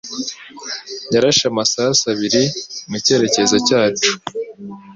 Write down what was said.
yarashe amasasu abiri mu cyerekezo cyacu.